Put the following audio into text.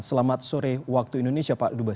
selamat sore waktu indonesia pak dubes